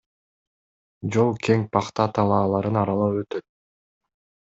Жол кең пахта талааларын аралап өтөт.